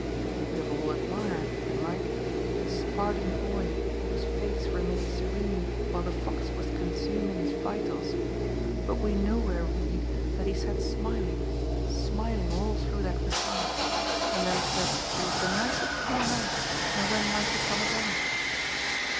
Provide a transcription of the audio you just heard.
We have all admired, and rightly, the Spartan boy whose face remained serene while the fox was consuming his vitals, but we nowhere read that he sat smiling, smiling all through that repast, and then said it was the nicest thing on earth and when might he come again